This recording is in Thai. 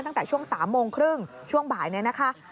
ตั้งแต่ช่วง๓โมงครึ่งช่วงบ่ายนี้นะคะ